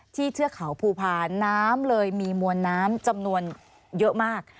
เทือกเขาภูพาน้ำเลยมีมวลน้ำจำนวนเยอะมาก